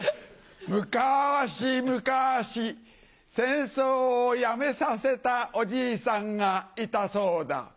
むかしむかし戦争をやめさせたおじいさんがいたそうだ。